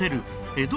江戸・